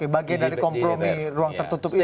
bagian dari kompromi ruang tertutup itu